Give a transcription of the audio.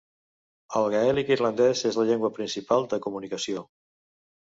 El gaèlic irlandès és la llengua principal de comunicació.